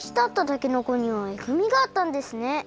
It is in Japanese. たけのこにはえぐみがあったんですね。